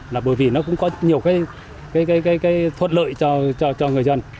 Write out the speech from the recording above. là bởi vì nó cũng có nhiều cái thuận lợi cho người dân